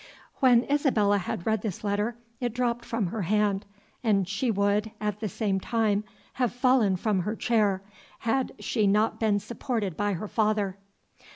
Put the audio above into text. When Isabella had read this letter, it dropped from her hand, and she would, at the same time, have fallen from her chair, had she not been supported by her father.